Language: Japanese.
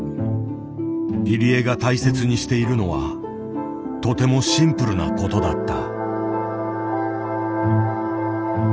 入江が大切にしているのはとてもシンプルなことだった。